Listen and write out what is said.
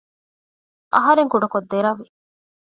އަހަރެން ކުޑަކޮށް ދެރަވި